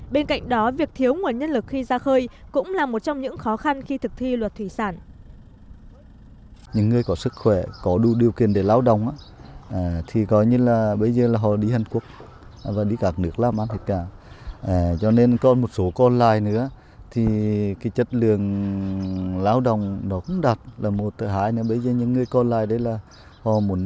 bên cạnh đó việc thiếu nguồn nhân lực khi ra khơi cũng là một trong những khó khăn khi thực thi luật thủy sản